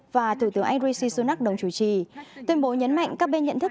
và thủ tướng anh rishi sunak đồng chủ trì tuyên bố nhấn mạnh các bên nhận thức